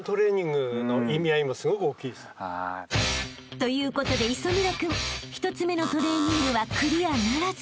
［ということで磯村君１つ目のトレーニングはクリアならず］